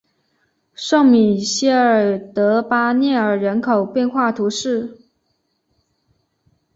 圣米歇尔德巴涅尔人口变化图示